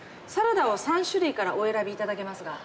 サラダを３種類からお選びいただけます。